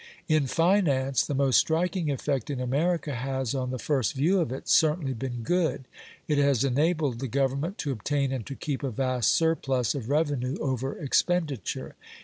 In finance the most striking effect in America has, on the first view of it, certainly been good. It has enabled the Government to obtain and to keep a vast surplus of revenue over expenditure.